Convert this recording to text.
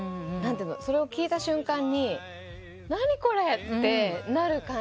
それを聴いた瞬間に「何これ？」ってなる感じが。